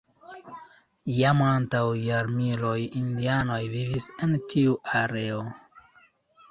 Jam antaŭ jarmiloj indianoj vivis en tiu areo.